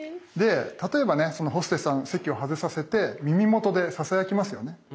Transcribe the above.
例えばねそのホステスさん席を外させて耳元でささやきますよね。